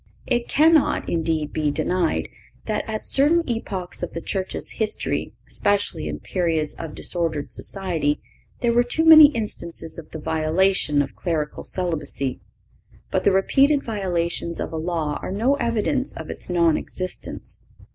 It cannot, indeed, be denied that at certain epochs of the Church's history, especially in periods of disordered society, there were too many instances of the violation of clerical celibacy. But the repeated violations of a law are no evidence of its non existence.